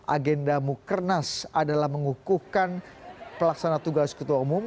agenda mukernas adalah mengukuhkan pelaksana tugas ketua umum